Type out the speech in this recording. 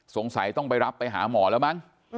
สงสัยต้องไปรับไปหาหมอแล้วมั้ง